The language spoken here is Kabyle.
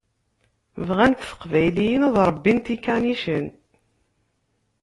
Bɣant teqbayliyin ad ṛebbint ikanicen.